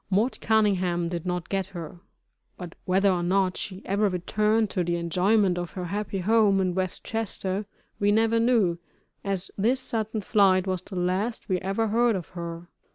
"Mort Cunningham" did not get her, but whether or not she ever returned to the enjoyment of her happy home, in West Chester, we never knew, as this sudden flight was the last we ever heard of her.